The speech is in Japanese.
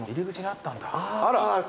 あら。